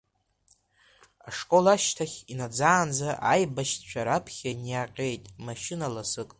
Ашкол ашьҭахь инаӡаанӡа, аибашьцәа раԥхьа иниаҟьеит машьына ласык.